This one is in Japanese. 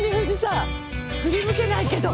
振り向けないけど。